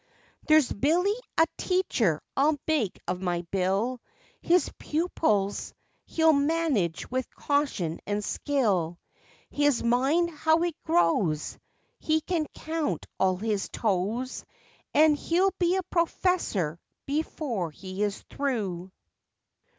There's Billy: A teacher I'll make of my Bill, His pupils he'll manage with caution and skill, His mind, how it grows! He can count all his toes! And he'll be a "professor" before he is through.